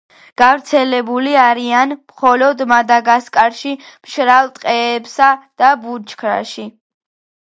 გავრცელებული არიან მხოლოდ მადაგასკარის მშრალ ტყეებსა და ბუჩქნარში.